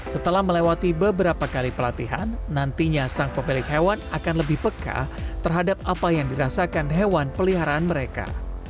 setelah melewati beberapa kali pelatihan nantinya sang pemilik hewan akan lebih peka terhadap apa yang dirasakan hewan peliharaan mereka